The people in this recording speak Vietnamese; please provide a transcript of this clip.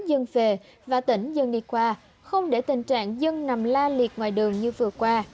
dân về và tỉnh dân đi qua không để tình trạng dân nằm la liệt ngoài đường như vừa qua